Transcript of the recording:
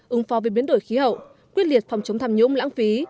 ứng phó với biến đổi khí hậu quyết liệt phòng chống tham nhũng lãng phí